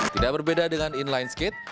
tidak berbeda dengan inline skate